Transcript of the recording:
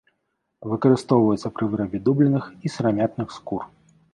Выкарыстоўваецца пры вырабе дубленых і сырамятных скур.